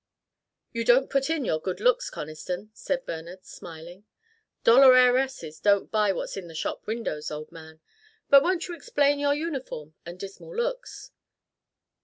"You don't put in your good looks, Conniston," said Bernard, smiling. "Dollar heiresses don't buy what's in the shop windows, old man. But won't you explain your uniform and dismal looks?"